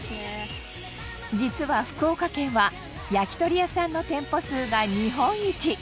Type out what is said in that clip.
実は福岡県は焼き鳥屋さんの店舗数が日本一！